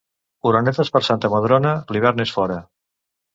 Orenetes per Santa Madrona, l'hivern és fora.